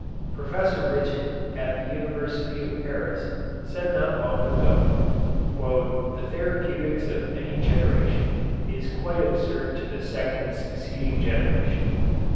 Professor Richet, at the University of Paris, said not long ago: "The therapeutics of any generation is quite absurd to the second succeeding generation."